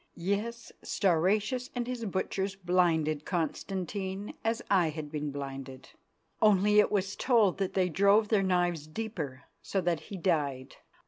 Yes, Stauracius and his butchers blinded Constantine as I had been blinded. Only it was told that they drove their knives deeper so that he died.